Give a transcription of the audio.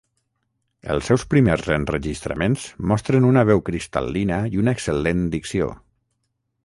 Els seus primers enregistraments mostren una veu cristal·lina i una excel·lent dicció.